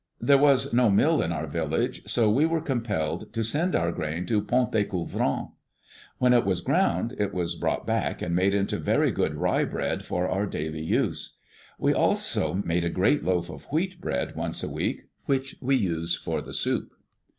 There was no mill in our village, so we were compelled to send our grain to Pontécouvrant. When it was ground, it was brought back and made into very good rye bread for our daily use. We also made a great loaf of wheat bread once a week, which we used for the soup.